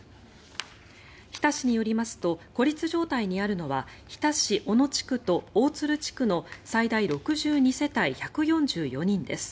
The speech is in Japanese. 日田市によりますと孤立状態にあるのは日田市小野地区と大鶴地区の最大６２世帯１４４人です。